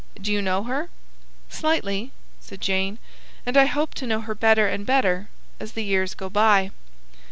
"Do you know her?" "Slightly," said Jane, "and I hope to know her better and better as the years go by."